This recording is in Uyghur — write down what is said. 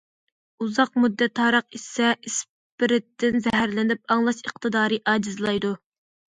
ئۇزاق مۇددەت ھاراق ئىچسە، ئىسپىرتتىن زەھەرلىنىپ، ئاڭلاش ئىقتىدارى ئاجىزلايدۇ.